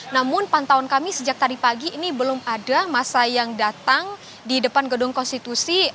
namun pantauan kami sejak tadi pagi ini belum ada masa yang datang di depan gedung konstitusi